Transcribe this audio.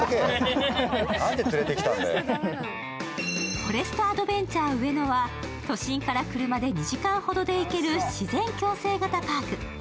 フォレストアドベンチャー・上野は都心から車で２時間ほどで行ける自然共生型パーク。